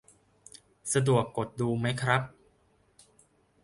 สะดวกกดดูไหมครับ